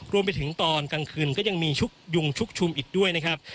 รวมไปถึงตอนกลางคืนก็ยังมีชุกยุงชุกชุมอีกด้วยนะครับ